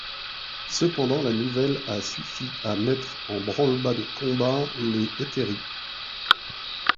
Cependant, la nouvelle a suffi à mettre en branle-bas de combat les hétairies.